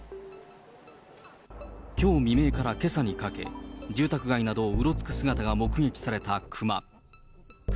きょう未明からけさにかけ、住宅街などをうろつく姿が目撃された熊。